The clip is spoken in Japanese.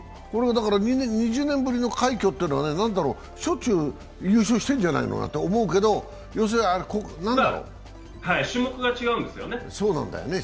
２０年ぶりの快挙というのはしょっちゅう優勝してんじゃないの？なんて思うけど種目が違うんですよね。